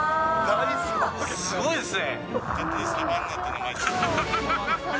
すごいですね。